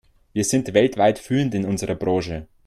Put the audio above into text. Wir sind weltweit führend in unserer Branche.